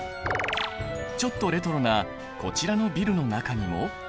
ちょっとレトロなこちらのビルの中にも。